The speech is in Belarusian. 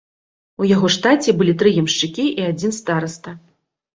У яго штаце былі тры ямшчыкі і адзін стараста.